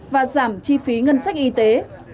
và giảm chi phí ngân sách y tế